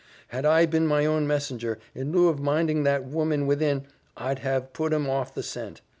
had I been my own messenger, in lieu of minding that woman within, I'd have put 'em off the scent.